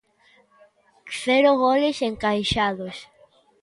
Cero goles encaixados.